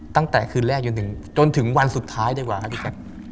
ตั้งแต่คืนแรกจนถึงวันสุดท้ายดีกว่าครับพี่แจ๊ค